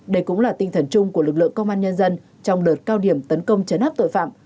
đây cũng là tinh thần chung của lực lượng công an nhân dân trong đợt cao điểm tấn công chấn áp tội phạm